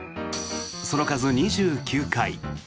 その数、２９回。